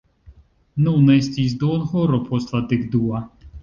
Nun estis duonhoro post la dekdua.